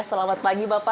selamat pagi bapak